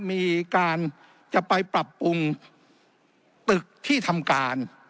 มีการจะไปปรับปรุงตึกที่ทำการ